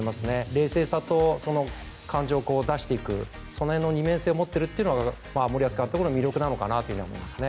冷静さと感情を出していくその辺の２面性を持っているのは森保監督の魅力かなと思います。